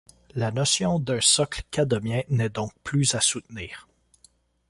La notion d'un socle cadomien n'est donc plus à soutenir.